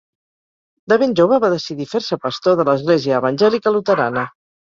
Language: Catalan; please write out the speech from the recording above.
De ben jove va decidir fer-se pastor de l'església evangèlica luterana.